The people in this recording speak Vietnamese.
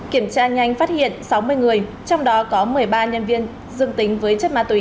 kiểm tra nhanh phát hiện sáu mươi người trong đó có một mươi ba nhân viên dương tính với chất ma túy